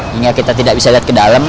hingga kita tidak bisa lihat ke dalam